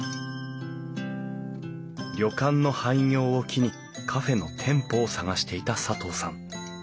旅館の廃業を機にカフェの店舗を探していた佐藤さん。